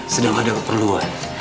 sedang ada keperluan